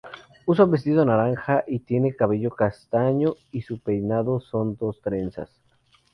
Usa un vestido naranja y tiene cabello castaño, y su peinado son dos trenzas.